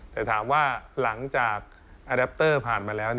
แต่ถามว่าหลังจากอาแดปเตอร์ผ่านมาแล้ว